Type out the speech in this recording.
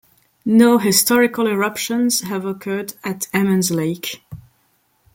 No historical eruptions have occurred at Emmons Lake.